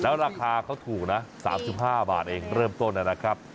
แล้วราคาเขาถูกนะ๓๕บาทเองเริ่มต้นนะครับ